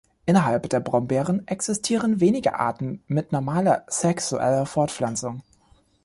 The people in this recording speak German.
Innerhalb der Brombeeren existieren wenige Arten mit normaler, sexueller Fortpflanzung.